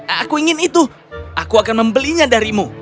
aku ingin itu aku akan membelinya darimu